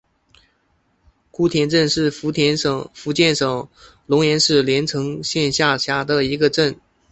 姑田镇是福建省龙岩市连城县下辖的一个镇。